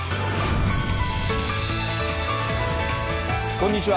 こんにちは。